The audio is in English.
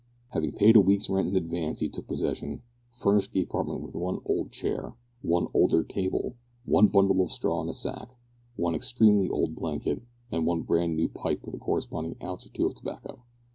Having paid a week's rent in advance he took possession, furnished the apartment with one old chair, one older table, one bundle of straw in a sack, one extremely old blanket, and one brand new pipe with a corresponding ounce or two of tobacco.